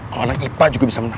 kalau orang ipa juga bisa menang